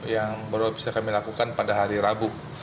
yang baru bisa kami lakukan pada hari rabu